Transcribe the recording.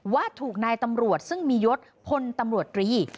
ว่าถูกนายตำรวจซึ่งมียศพลตำรวจตรี